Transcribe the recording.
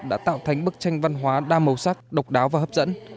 đã tạo thành bức tranh văn hóa đa màu sắc độc đáo và hấp dẫn